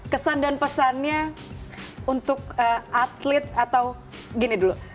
kesan dan pesannya untuk atlet atau gini dulu